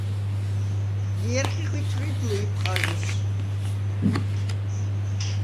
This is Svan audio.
ჲერხი ხვითვრიდ ლჷჲფხაზუს.